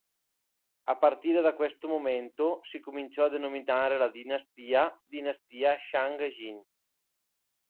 A partire da questo momento, si cominciò a denominare la dinastia: dinastia Shang-Yin.